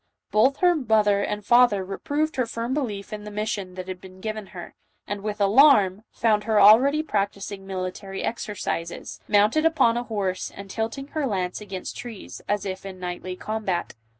Both her mother and father reproved her firm belief in the mission that had been given her, and, with alarm, found her already practising military exercises, mounted upon a horse and tilting her lance against trees, as if in knightly combat.